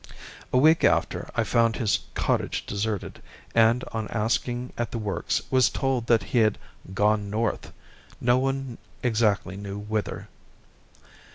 A week after I found his cottage deserted, and on asking at the works was told that he had "gone north", no one exactly knew whither.